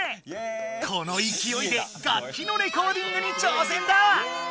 このいきおいで楽器のレコーディングに挑戦だ！